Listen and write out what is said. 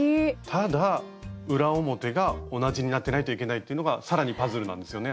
ただ裏表が同じになってないといけないというのが更にパズルなんですよね。